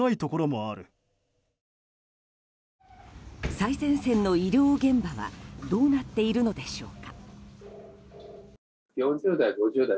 最前線の医療現場はどうなっているのでしょうか。